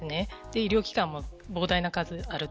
医療機関も膨大な数がある。